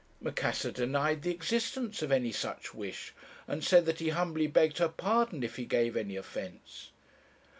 "Macassar denied the existence of any such wish; and said that he humbly begged her pardon if he gave any offence.